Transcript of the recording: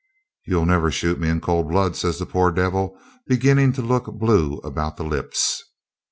'You'll never shoot me in cold blood,' says the poor devil, beginning to look blue about the lips.